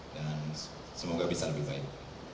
dan semoga bisa lebih baik